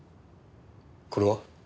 これは？